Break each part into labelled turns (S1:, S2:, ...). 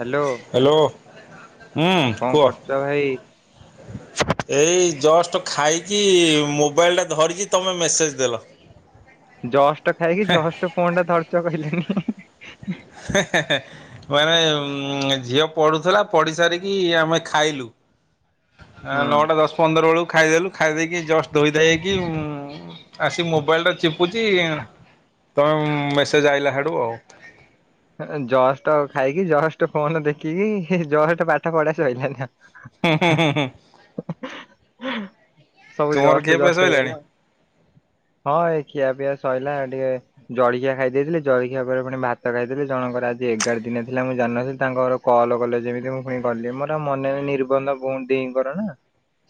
S1: Hello
S2: hello ହୁଁ
S1: କଣ
S2: କୁହ।
S1: କରୁଛ ଭାଇ?
S2: ଏଇ ଜଷ୍ଟ ଖାଇକି ମୋବାଇଲ୍ ଟା ଧରିଚି ତମେ ମେସେଜ୍ ଦେଲ।
S1: ଜଷ୍ଟ ଖାଇକି
S2: ହେଁ
S1: ଜଷ୍ଟ ଫୋନ୍ ଟା ଧର୍ଚ କହିଲେନି।
S2: ହେଁ ହେଁ ହେଁ। ମାନେ ଉଁ ଝିଅ ପଢୁଥିଲା ପଢି ସାରିକି ଆମେ ଖାଇଲୁ। ନଅଟା
S1: ହୁଁ
S2: ଦଶ ପନ୍ଦର ବେଳକୁ ଖାଇଦେଲୁ ଖାଇ ଦେଇକି ଜଷ୍ଟ ଧୋଇଧାଇକି ଉଁ। ଆସି ମୋବାଇଲ୍ ଟା ଚିପୁଚି ତ ମେସେଜ୍ ଆଇଲା ହାଡ଼ୁ ଆଉ।
S1: ଜଷ୍ଟ ଖାଇକି ଜଷ୍ଟ ଫୋନ ଦେଖିକି ଜଷ୍ଟ ପାଠ ପଢା ସଇଲା ଏନା।
S2: ହୁଁ ହୁଁ ହୁଁ ହୁଁ।
S1: ସବୁ
S2: ତୁମର
S1: ଜଷ୍ଟ
S2: ଖିଆ ପିଆ
S1: ଜଷ୍ଟ
S2: ସଇଲାଣି?
S1: ହେଇଗଲା ଆଉ। ହଁ ଏ ଖିଆପିଆ ସଇଲା ଟିକେ ଜଳଖିଆ ଖାଇ ଦେଇଥିଲି ଜଳଖିଆ ପରେ ପୁଣି ଭାତ୍ ଖାଇଥିଲି ଜଣଙ୍କର ଆଜି ଏଗାରଦିନ ଥିଲା ମୁଁ ଜାଣିନଥିଲି ତାଙ୍କ ଘର କଲ୍ କଲେ ଯେମିତି ମୁଁ ଫୁଣି ଗଲି ମୋର ଆଉ ମନେ ନିର୍ବନ୍ଧ ଭଉଣୀ ଦେଇଙ୍କର ନା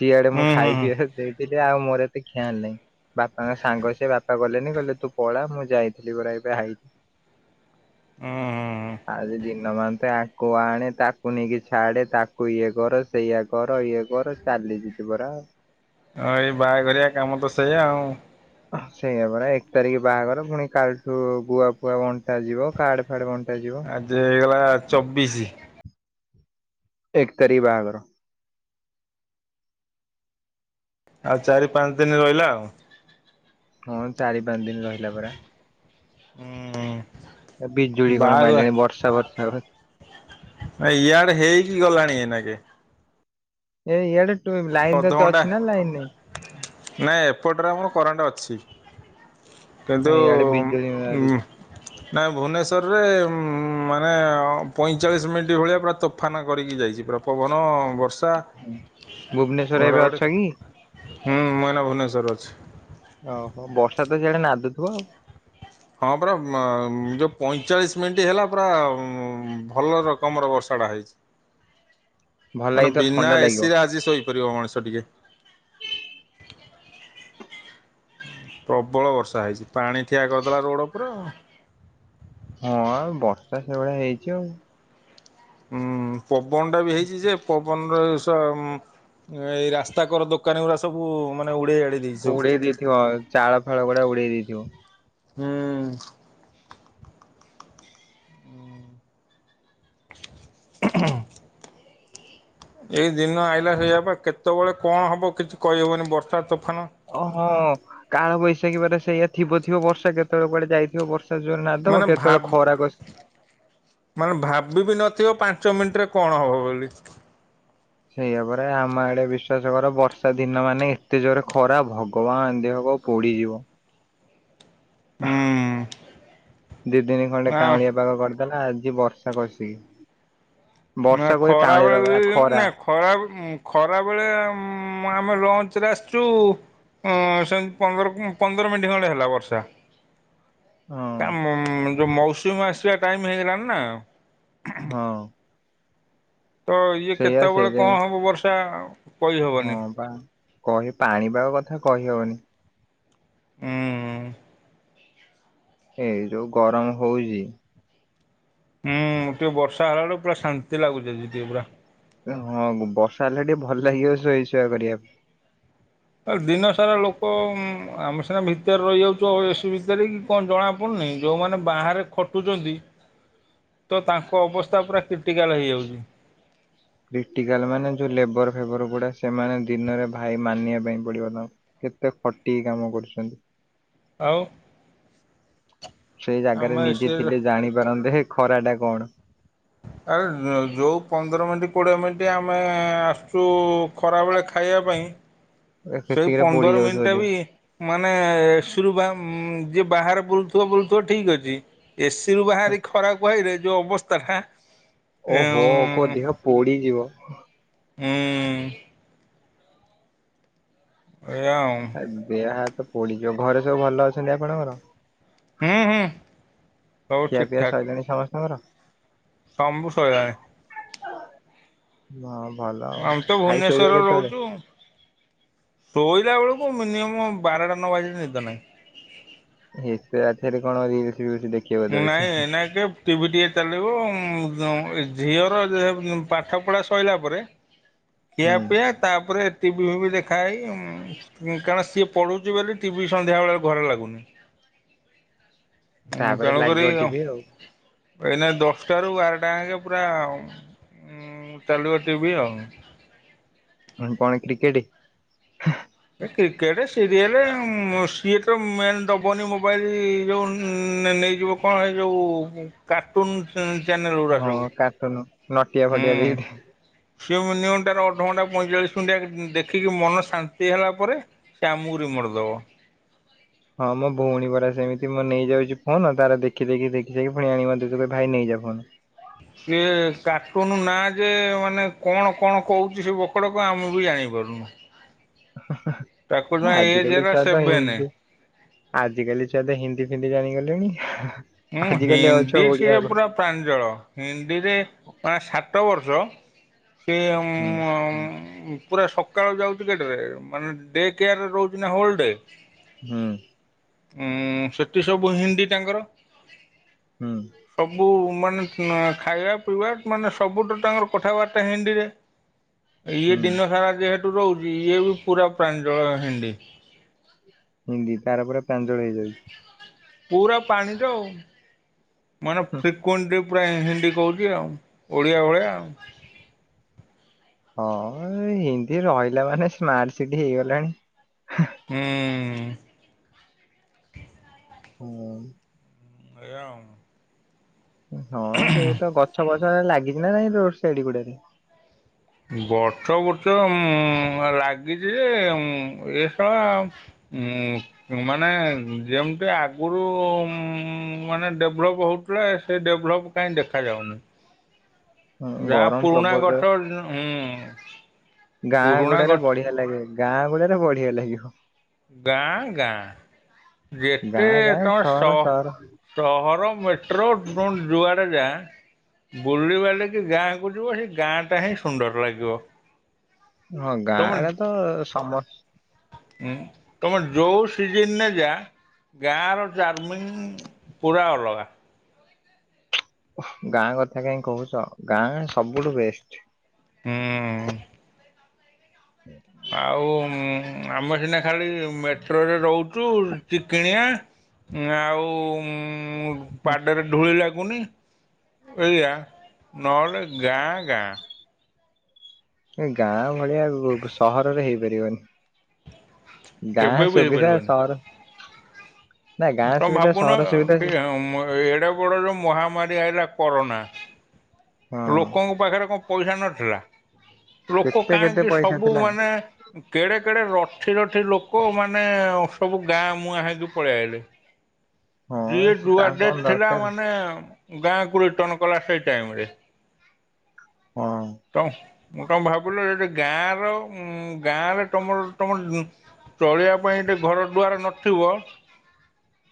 S1: ସିଆଡ଼େ ମୁଁ
S2: ହୁଁ ହୁଁ ହୁଁ
S1: ଖାଇପିଏ ଦେଇଚି ଯେ ଆଉ ମୋର ଏତେ ଖିଆଲ୍ ନାଇ। ବାପାଙ୍କ ସାଙ୍ଗ ସେ ବାପା ଗଲେନି କହିଲେ ତୁ ପଳା ମୁଁ ଯାଇଥିଲି ପରା ଏବେ ହାଇଚ
S2: ହୁଁ ହୁଁ।
S1: ଆଜିଦିନ୍। ନମନ୍ତେ ଆକୁ ଆଣେ ତାକୁ ନେଇକି ଛାଡ଼େ ତାକୁ ଇଏ କର ସେଇୟା କର ଇଏ କର ତା ଲିଯିତ ବରା
S2: ଅଁ ଏଇ ବାହାଘରିଆ କାମ ତ ସେଇଆ ଆଉ
S1: ସେଇଆ ପରା ଏକ୍ ତାରିଖ ବାହାଘର ପୁଣି କାଲିଠୁ ଗୁଆ ଫୁଆ ବଣ୍ଟା ଯିବ କାଡ଼ ଫାଡ଼ ବନ
S2: ଆଜି ହେଇଗଲା ଚବିଶି।
S1: ଏକ୍ ତାରିଖ୍ ବାହାଘର।
S2: ଆଉ ଚାରିପାଞ୍ଚ୍ ଦିନ୍ ରହିଲା ଆଉ।
S1: ହଁ ଚାରି ପାଞ୍ଚଦିନ ରହିଲା ପରା।
S2: ହୁଁ
S1: ବିଜୁଳି କଣ ମାଇଲାଣି ବର୍ଷାଫର୍ଷା ହବ
S2: ଇଆଡେ଼ ହେଇକି ଗଲାଣି ଏଇନାକେ।
S1: ଏଇ ଇଆଡ଼େ ଟୁଇମ୍ ଲାଇନ୍ ତତେ
S2: ଅଧଘଣ୍ଟା
S1: ଅଛି ନା ଲାଇନ ନାହିଁ।
S2: ନାଇଁ ଏପଟରେ ଆମର କରେଣ୍ଟ ଅଛି।
S1: ହଁ
S2: କିନ୍ତୁ ଉ
S1: ଇଆଡେ ବିଜୁଳି
S2: ଉଁ
S1: ମାରୁଚି।
S2: ନା ଭୁନେସ୍ ବତରରେ ମାନେ ପଇଁଚାଳିଶି ମିନିଟ୍ ଭଳିଆ ପୁରା ତୋଫାନା କରିକି ଯାଇଚି ପୁରା ପବନ ବର୍ଷା।
S1: ଭୁବନେଶ୍ଵରରେ ଏବେ
S2: ଘଡ଼ଘଡ଼ି
S1: ଅଛ କି।
S2: ହୁଁ ମୁଏଇନା ଭୁବନେଶ୍ୱର ଅଛି।
S1: ଓହୋ ବର୍ଷା ତ ସେଆଡ଼େ ନାଦୁଥିବ ଆଉ।
S2: ହଁ ପରା ଯୋଉ ପଇଁଚାଳିଶ ମିନିଟ୍ ହେଲା ପୁରା ଭଲ ରକମର ବର୍ଷା ହେଇଚି
S1: ଭଲ
S2: ମାନେ
S1: ଲାଗିଥିବ
S2: ବିନା
S1: ଥଣ୍ଡା ଲାଗିବ।
S2: ଏସି ରେ ଆଜି ଶୋଇପାରିବ ମଣିଷ ଟିକେ। ପ୍ରବଳ ବର୍ଷା ହେଇଛି ପାଣି ଠିଆ କରିଦେଲା ରୋଡ଼ ଉପରେ ଆଉ।
S1: ହଁଉ ବର୍ଷା ସେଇଭଳିଆ ହେଇଛି ଆଉ।
S2: ହୁଁ ପବନ ଟା ବି ହେଇଛି ଯେ ପବନ [unintelligible] ଏଇ ରାସ୍ତାକର ଦୋକାନ ଗୁଡା ସବୁ ମା
S1: ଉଡେଇ ଦେଇଥିବ ଚାଳ ଫାଳ ଗୁଡା ଉଡେଇ ଦେଇଥିବ।
S2: ହୁଁ। ହ ଏଇ ଦିନ ଆଇଲା ସେଇଆ ବା କେତେବେଳେ କଣ ହବ କିଛି କହିହବନି ବର୍ଷା ତ
S1: ଓହୋ କାଳ ବୈଶାଖୀ ପରେ ସେଇଆ ଥିବ ଥିବ ବର୍ଷା କେତେବେଳେ କୁଆଡେ ଯାଇଥିବ ବର୍ଷା ଜୋରେ ନାଦିଦବ
S2: ମାନେ
S1: କେତେବେଳେ
S2: ଭାବ
S1: ଖରା କଷି
S2: ମାନେ ଭାବି ବିି ନଥିବ ପା ପାଞ୍ଚ ମିନିଟ୍ ରେ କଣ ହବ ବୋଲି।
S1: ସେଇଆ ପରା ଆମ ଆଡେ ବିଶ୍ଵାସ କର ବର୍ଷା ଦିନ ମାନେ ଏତେ ଜୋରେ ଖରା ଭଗବାନ ଦେହ ପୋଡ଼ିଯିବ।
S2: ହୁଁ
S1: ଦି ଦିନି ଖଣ୍ଡେ
S2: ଆଉ
S1: କାଉଁଳିଆ ପାାଗ କରି କାଇଁ ନା ଆଜି ବର୍ଷା ବର୍ଷି
S2: ନା ଖରାବେଳେ ବି ନା ଖରା ଖରା ବେଳେ ଆମେ ଲଞ୍ଚରେ ଆସି ସେଟୁ ପନ୍ଦର ପନ୍ଦର ମିନିଟ୍ ଖଣ୍ଡେ ହେଲା ବର୍ଷା
S1: ହଁ
S2: କାଇଁ ଯୋଉ ମୌସୁମୀ ଆସିବା ଟାଇମ ହେଇଗଲାଣି ନା।
S1: ହଁ।
S2: ତ ଇଏ
S1: ସେଇଆ
S2: କେତେବେଳେ
S1: ସେଇଥିପାଇଁ
S2: କଣ ହବ ବର୍ଷା
S1: ହଁ
S2: କହିହେବନି
S1: ବା କହି ପାଣିିପାଗ କଥା କହିହବନି।
S2: ହୁଁ।
S1: ଏ ଯୋଉ ଗରମ ହଉଛି।
S2: ହୁଁ ଟିକେ ବର୍ଷା ହେଲା ବେଳକୁ ପୁରା ଶାନ୍ତି ଲାଗୁଛି ଟିକେ ପୁରା।
S1: ହଁ ବର୍ଷା ହେଲେ ଟିକେ ଭଲ ଲାଗିବ ଶୋଇ ଶୁଆ କରିଆକୁ
S2: ଦିନ ସାରା ଲୋକ ଆମେ ସିନା ଭିତରେ ରହିଯାଉଛୁ। ଏସି ଭିତରେ କି କଣ ଜଣା ପଡୁନ ନାଇଁ ଯୋଉମାନେ ବାହାରେ ଖଟୁଛନ୍ତି ତ ତାଙ୍କ ଅବସ୍ଥା ପୁରା କ୍ରିଟିକାଲ ହେଇଯାଉଛି।
S1: କ୍ରିଟିକାଲ ମାନେ ଯୋଉ ଲେବର ଫେବର ଗୁଡା, ସେମାନେ ଦିନରେ ଭାଇ ମାନିଆ ପାଇଁ ପଡିବ ତାଙ୍କୁ କେତେ ଖଟିକି କାମ କରୁଛନ୍ତି।
S2: ଆଉ।
S1: ସେଇ ଜାଗାରେ
S2: ଆମେ
S1: ନିଜେ
S2: ଏସି
S1: ଥିଲେ ଜାଣିପାରନ୍ତେ ହେ ଖରା ଟା କଣ?
S2: ଆରେ ଯୋଉ ପନ୍ଦର ମିନିଟ କୋଡିଏ ମିନିଟ୍ ଆମେ ଆସୁଛୁ ଖରାବେଳେ ଖା ଖାଇବା ପାଇଁ ସେଇ
S1: ସେତିକିରେ ପୋଡି
S2: ପନ୍ଦର
S1: ଯାଉଥିବ
S2: ମିନିଟା
S1: ଦେହ।
S2: ବି ମାନେ ଏସିରୁ ବା ଯିଏ ବାହାରେ ବୁଲୁଥିବ ବୁଲୁଥିବ ଠିକ ଅଛି ଏସିିରୁୁ ବାହାରି ଖରାକୁ ଆଇଲେ ଯେଉଁ ଅବସ୍ଥାଟା।
S1: ଓହୋ କୁହ
S2: ଉଁ
S1: ଦେହ ପୋଡିଯିବ।
S2: ହୁଁ। ଏଇଆ ଆଉ
S1: ଦେହ ହାତ ପୋଡିଯିବ। ଘରେ ସବୁ ଭଲ ଅଛନ୍ତି ଆପଣଙ୍କର?
S2: ହୁଁ ହୁଁ ସବୁ
S1: ଖିଆ
S2: ଠିକ୍
S1: ପିଆ
S2: ଠାକ୍।
S1: ସଇଲାଣି ସମସ୍ତଙ୍କର।
S2: ସବୁ ସଇଲାଣି।
S1: ନା।
S2: ଆମେ ତ ଭୁବନେଶ୍ୱରରେ ରହୁଛୁ ଶୋଇଲା ବେଳକୁ ମିନିମମ୍ ବାରଟା ନ ବାଜିଲେ ନିଦ ନାହିଁ।
S1: ଏତେ ରାତିରେ କଣ ଇଏ।
S2: ନାଇଁ ନାଇଁ ଟିକେ ଟିଭି ଟିକେ ଚାଲିବ। ଝିଅର ପାଠ ପଢା ସରିଲା ପରେ ଖିଆ
S1: ହୁଁ
S2: ପିଆ ତାପରେ ଟିଭି ଟିଭି ଦେଖା ହେଇକି କାରଣ ସିଏ ପଢୁଛି ବୋଲି ଟିଭି ସନ୍ଧ୍ୟାବେଳେ ଘରେ ଲାଗୁନି। ର
S1: ତାପରେ ଲାଗିବ ଟିଭି ଆଉ।
S2: ଏଇନା ଦଶଟାରୁ ବାରଟା ଆଙ୍କେ ପୁରା। ଚାଲିବ ଟିଭି ଆଉ।
S1: ହ କଣ କ୍ରିକେଟେ?
S2: ଏ କ୍ରିକେଟ୍ ସିରିଏଲ ଉ ସିଏ ତ ମେନ୍ ଦବନି ମୋବାଇଲ ଯୋଉ ନେ ନେଇଯିବ କଣ ଏଇ ଯୋଉ କାର୍ଟୁନ ଉ
S1: ହଁ କାର୍ଟୁନ। ନଟିଆ
S2: ହୁଁ
S1: ଫଟିଆ ଦେଖି
S2: ସେ ମିନିମମ୍ ତାର ଅଧ ଘଣ୍ଟା ପଇଁଚାଳିଶ ମିନିଟ୍ ଆଗ ଦେଖିକି ମନ ଶାନ୍ତି ହେଲା ପରେ ସେ ଆମକୁ ରିମୋଟ ଦେବ।
S1: ହଁ ମୋ ଭଉଣୀ ପରା ସେମିତି ମାନେ ନେଇଯାଉଛି ଫୋନ ତାର ଦେଖି ଦେଖି ଦେଖି ଆଣି ପୁଣି ଆଣିବ ଭାଇ ନେଇ ଜିଆ ଫୋନ୍
S2: ସେ କାର୍ଟୁନ ନାଁ ଯେ ମାନେ କଣ କଣ କହୁଛି ସେ ବକଡକ ଆମେ ବି ଜାଣିପାରୁନୁ। ତାକୁ ଜମା
S1: ଆଁ
S2: ଏଜ୍
S1: ଆଜିିକାଲିକା
S2: ହେଲା
S1: ଛୁଆ ତ
S2: ସେଭେନେ।
S1: ଏମିତି ଆଜି କାଲି ଛୁଆତ ହିନ୍ଦୀ ଫିନ୍ଦି ଜାଣିଗଲେଣି।
S2: ହୁଁ
S1: ଆଜିକାଲି ଆଉ ଛୁଆ
S2: ହିନ୍ଦୀ
S1: ଓଡିଆ
S2: ସିଏ
S1: ଘ
S2: ପୁରା ପ୍ରାଞ୍ଜଳ ହିନ୍ଦୀରେ ପାଁ ସାତ ବର୍ଷ ସେ
S1: ହୁଁ
S2: ଅଁ ପୁରା ସକାଳୁ ଯାଉଚି କେତେଏଳେ ମାନେ ଡେ କେୟାର୍ ରହୁଚି ନା ହୋଲଡେ।
S1: ହୁଁ।
S2: ଉଁ ସେଠି ସବୁ ହିନ୍ଦୀ ତାଙ୍କର
S1: ହୁଁ
S2: ସବୁ ମାନେ ଆଁ ଖାଇବା ପିଇବା ମାନେ ସବୁତ ତାଙ୍କର କଥାବାର୍ତ୍ତା ହିନ୍ଦୀରେ ଇଏ
S1: ହୁଁ
S2: ଦିନ ସାରା ଯେହେତୁ ରହୁଚି ଇଏ ବି ପୁରା ପ୍ରାଞ୍ଜଳ ହିନ୍ଦୀ।
S1: ହିନ୍ଦୀ ତାର ପୁରା ପ୍ରଞ୍ଜଳ ହେଇଯାଉଚି।
S2: ପୁରା ପାଣି ର ମାନେ ଫ୍ରପ୍ କୋଣ୍ଡି ପୁରା ହିନ୍ଦୀ କହୁଚି ଆଉ ଓଡିଆ ଭଳିଆ ଆଉ।
S1: ହଁ ହିନ୍ଦୀ ରହିଲା ମାନେ ସ୍ମାର୍ଟ ସିଟି ହେଇଗଲାଣି।
S2: ହୁଁ।
S1: ହୁଁ।
S2: ଏଇଆ ଆଉ।
S1: ହଁ ସେଇ ତ ଗଛ ବଛ ଏ ଲାଗିଛି ନା ନାଇ ରୋଡ ସାଇଡ୍ ଗୁଡାରେ?
S2: ଗଛ ବୃଛ ଉଁ ଲାଗିଚି ଯେ ଉଁ ଏ ସଳା ଉଁ ମାନେ ଯେମିତି ଆଗରୁ ଉଁ ମାନେ ଡେଭଲପ୍ ହଉ ସେ ଡେଭଲପ୍ କାଇଁ ଦେଖାଯାଉନି।
S1: ହଁ
S2: ଯାହା
S1: ଗରମ
S2: ପୁରୁଣା
S1: ପ୍ରବଳ ତ
S2: ଗଛ ହୁଁ।
S1: ଗାଁ
S2: ପୁରୁଣା
S1: ଗୁଡାରେ
S2: ଗଛ
S1: ବଢିଆ ଲାଗେ ଗାଁ ଗୁଡାରେ ବଢିଆ ଲାଗିବ।
S2: ଗାଁ ଗାଁ। ଯେତେ
S1: ଗାଁ ଗାଁ
S2: ତମେ ସ
S1: ସହର ସହର
S2: ସହର ମେଟ୍ରୋ ତମେ ଯୁଆଡେ ଡେ ଯା ବୁଲିବାଲିକି ଗାଁ କୁ ଯିବ ସେ ଗାଁ ଟା ହିଁ ସୁନ୍ଦର ଲାଗିବ।
S1: ହଁ ଗାଁରେ ତ ସମସ୍ତ
S2: ହୁଁ ତମର ଯୋଉ ସିଜିନ୍ ରେ ଯା ଗାଁ ର ଚାର୍ମିଂ ପୁରା ଅଲଗା।
S1: ହୋ ଗାଁ କଥା କଇଁ କହୁଚ ଗାଁ ସବୁଠୁ ବେଷ୍ଟ।
S2: ହୁଁ। ଆଉ ଉଁ ଆମେ ସିନା ଖାଲି ମେଟ୍ରୋରେ ରହୁଚୁ ଚୁ ଚିଣିଆ ଆଉ ଉଁ
S1: ହୁଁ,
S2: ପାଦ ରେ ଧୂଳିି ଲା ନି ଏଇଆ ନହେଲେ ଗାଁ ଗାଁ।
S1: ଏ ଗାଁ ଭଳିଆ ଗ ସହରରେ ହେଇପାରିବନି।
S2: କେବେ
S1: ଗାଁ
S2: ବି
S1: ସୁବିଧା
S2: ହେଇପାରିବନି
S1: ସହର ନା ଗାଁ
S2: ତମେ
S1: ସୁବିଧା
S2: ଭାବୁନ
S1: ସହର ସୁବିଧା
S2: ଏ ମଁ ମଁ ଏଡେ ବଡ ଯୋଉ ମହାମାରୀ ରି ଆଇଲା କରୋନା
S1: ହଁ
S2: ଲୋକଙ୍କ ପାଖରେ କଣ ପଇସା ନଥିଲା? ଲୋକ
S1: କେତେ କେତେ
S2: କାହିଁକି
S1: ପଇସା
S2: ସବୁ
S1: ଥିଲା
S2: ମାନେ କେଡେ କେଡେ ର ଥି ରଥି ଲୋକ ମାନେ ସବୁ ଗାଁ ମୁହାଁ ହେଇକି ପଳେଇଆଇଲେ।
S1: ହଁ
S2: ଯିଏ
S1: ସେ ତା
S2: ଯୁଆଡେ
S1: କଣ
S2: ଥିଲା
S1: ଦରକାର
S2: ମାନେ ଗାଁ କୁ ରିଟନ କଲା ସେଇ ଟାଇମରେ।
S1: ହଁ।
S2: ମୁଁ ତମେ ଭାବିଲ ଯି ଗାଁ ର ଉ ଗାଁରେ ତମର ତମର ଚଳିବା ପାଇଁ ଏ ଘର ଦୁଆର ନଥିବ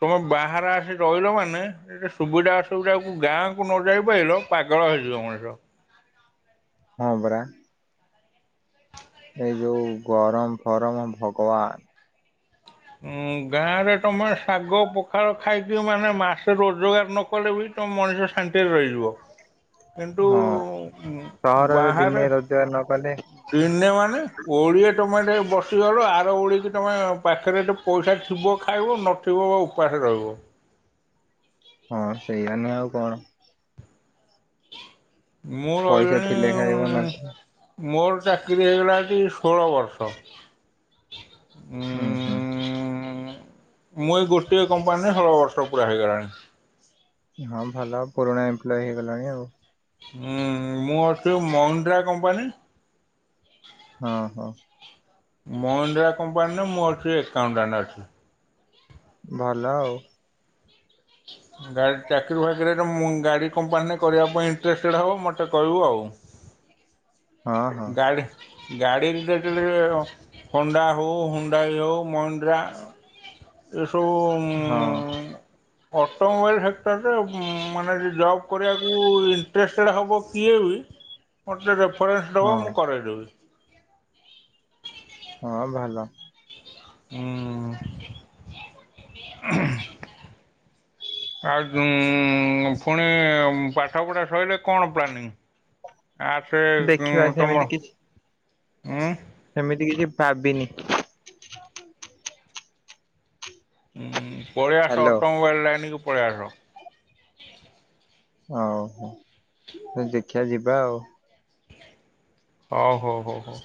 S2: ତମେ ବାହାରେ ଆସି ରହିଲ ମାନେ ଏ ସୁବିଧା ଅସୁବିଧାକୁ ଗାଁକୁ ନ ଯାଇ ପାରିଲ ପାଗଳ ହେଇ ଯିବ ମଣିଷ।
S1: ହଁ ବରା। ଏଇ ଯୋଉ ଗରମ ଫରମ ଭଗବାନ।
S2: ଉଁ ଗାଁ ରେ ତମେ ଶାଗ ପଖାଳ ଖାଇକି ମାନେ ମାସ ରୋଜଗାର ନ କଲେ ବି ତ ମଣିଷ ଶାନ୍ତିରେ ରହିଯିବ। କିନ୍ତୁ
S1: ହଁ ସହରରେ
S2: ବାହାରେ
S1: ଦିନେ ରୋଜଗାର ନ କଲେ
S2: ଦିନେ ମାନେ ଓଳିଏ ତମେ ଟିକେ ବସିଗଲ ଆର ଓଳିକି ତମେ ପା ଆଖରେ ତ ପଇସା ଥିବ ଖାଇବ ନଥିବ ବା ଉପାସ ରହିବ।
S1: ହଁ ସେଇଆ ନୁହେଁ ଆଉ କଣ।
S2: ମୁଁ
S1: ପଇସା ଥିଲେ ଖାଇବ ନ
S2: ରହିଲିଣି ମୋର ଚାକିରି ହେଇଗଲା ଷୋହଳ ବର୍ଷ।
S1: ହୁଁ-ହୁଁ।
S2: ମୁଁ ଗୋଟିଏ କୋମ୍ପାନୀ ଷୋଳ ବର୍ଷ ପୁରା ହେଇଗଲାଣି।
S1: ହଁ ଭଲ ପୁରୁଣା ଏମ୍ପ୍ଲୟ ହେଇଗଲାଣି ଆଉ।
S2: ହୁଁ ମଁ ଅଛି ମହିନ୍ଦ୍ରା କମ୍ପାନୀ
S1: ହଁ-ହଁ।
S2: ମହେନ୍ଦ୍ରା କମ୍ପାନୀରେ ମୁଁ ଅଛି ଏକାଉଣ୍ଟାଣ୍ଟ ଅଛି।
S1: ଭଲ ଆଉ।
S2: ହଁ ଗାଡି ଚାକିରି ଫକିରିରେ ମୁଁ ଗାଡ଼ି କମ୍ପାନୀରେ କରିବା ପାଇଁ ଇଣ୍ଟରେଷ୍ଟେଡ ହେବ ମୋତେ କହିବୁ ଆଉ। ହ
S1: ଆଉ ହଁ
S2: ଗାଡି। ଗାଡ଼ି [inaudible] ହଣ୍ଡା ହଉ ହୁଣ୍ଡାଇ ହଉ ମହିନ୍ଦ୍ରା ଉଃ
S1: ହଁ।
S2: ଅଟୋମୋବାଇଲ୍ ସେକ୍ଟରରେ ମାନେ ଜବ୍ କରିବାକୁ ଇଣ୍ଟରେଷ୍ଟେଡ୍ ହେବ କିଏ ବି ମତେ ରେଫରେନ୍ସ ଦବ
S1: ହଁ
S2: ମୁଁ କରଇଦେବି।
S1: ହଁ ଭଲ।
S2: ହୁଁ ଉଁ-ହୁଁ। ଆଉ ପୁଣି ପାଠ ପଢା ସରିଲ କଣ ପ୍ଲାନିଂ? ଆ ସେ
S1: ଦେଖିବା ସେମିତି
S2: ତମର
S1: କିଛି
S2: ଉୁଁ
S1: ସେମିତି କିଛି ଭାବିନି।
S2: ହୁଁ ପଳେଇଆସ
S1: ହ୍ୟାଲୋ
S2: ଅଟୋମୋବାଇଲ ଲାଇନ
S1: ଓ ହୋ ଦେଖିବା ଯିବା ଆଉ।
S2: ହଉ-ହଉ-ହଉ-ହଉ।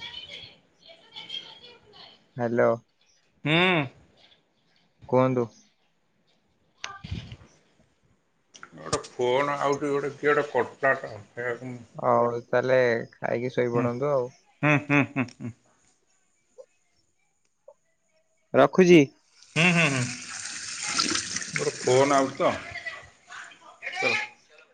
S1: ହ୍ୟାଲୋ।
S2: ହୁଁ।
S1: କୁହନ୍ତୁ।
S2: ଗୋଟେ ଫୋନ ଆଉଚି ଗୋଟେ କିଏ ଗୋଟେ କରୁଥିଲା ତ। ସେଇଆକୁ।
S1: ଆଉ ତାହେଲେ ଖାଇକି ଶୋଇପଡନ୍ତୁ ଆଉ।
S2: ହୁଁ-ହୁଁ।
S1: ରଖୁଛି।
S2: ହୁଁ-ହୁଁ-ହୁଁ ଗୋଟେ ଫୋନ ଆଉଚି ତ। [unintelligible]